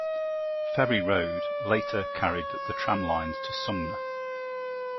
Ferry Road later carried the tramlines to Sumner.